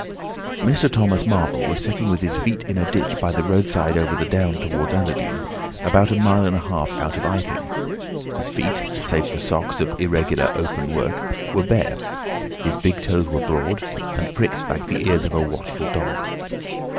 Mr. Thomas Marvel was sitting with his feet in a ditch by the roadside over the down towards Adderdean, about a mile and a half out of Iping. His feet, save for socks of irregular open work, were bare, his big toes were broad, and pricked like the ears of a watchful dog.